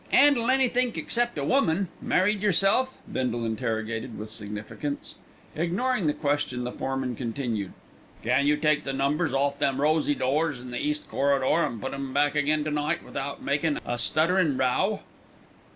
"'Andle any think except a woman. Married yerself?" Bindle interrogated with significance. Ignoring the question the foreman continued: "Can you take the numbers off them rosy doors in the east corridor, and put 'em back again to night without makin' a stutterin' row?"